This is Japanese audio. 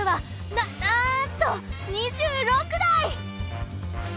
なんと２６台！